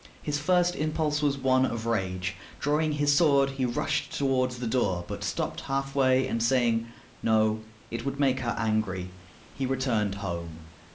His first impulse was one of rage. Drawing his sword, he rushed toward the door, but stopped half way, and saying, "No, it would make her angry," he returned home.